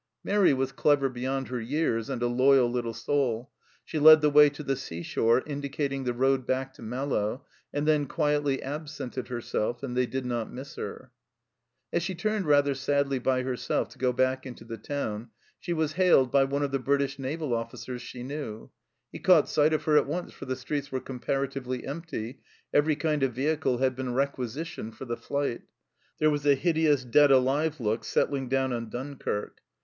Mairi was clever beyond her years, and a loyal little soul ; she led the way to the sea shore, indicating the road back to Malo, and then quietly absented herself, and they did not miss her ! As she turned rather sadly by herself to go back into the town she was hailed by one of the British naval officers she knew. He caught sight of her at once, for the streets were comparatively empty ; every kind of vehicle had been requisitioned for the flight. There was a hideous, dead alive look settling down on Dunkirk.